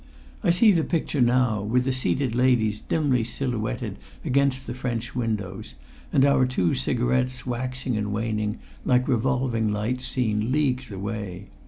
I see the picture now, with the seated ladies dimly silhouetted against the French windows, and our two cigarettes waxing and waning like revolving lights seen leagues away.